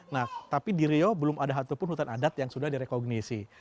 nah tapi di riau belum ada satupun hutan adat yang sudah direkognisi